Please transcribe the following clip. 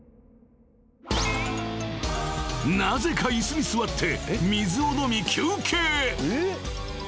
［なぜか椅子に座って水を飲み休憩］